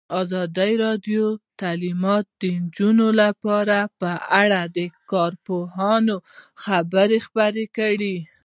ازادي راډیو د تعلیمات د نجونو لپاره په اړه د کارپوهانو خبرې خپرې کړي.